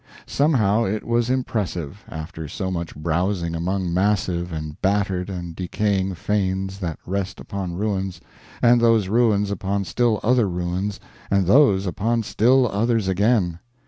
Somehow it was impressive, after so much browsing among massive and battered and decaying fanes that rest upon ruins, and those ruins upon still other ruins, and those upon still others again.